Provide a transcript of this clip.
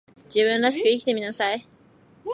自分らしく生きてみなさい